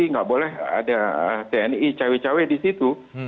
nggak boleh ada tni cewek cewek di situ